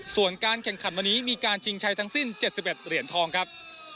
ส่วนการแข่งขันวันนี้มีการชิงชัยทั้งสิ้น๗๑เหรียญทองครับ